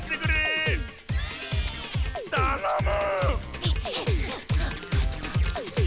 たのむ！